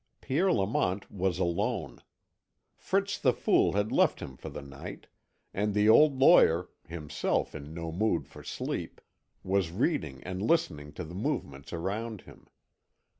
Pierre Lamont was alone; Fritz the Fool had left him for the night, and the old lawyer, himself in no mood for sleep, was reading and listening to the movements around him.